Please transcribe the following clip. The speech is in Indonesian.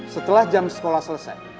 setelah jam sekolah selesai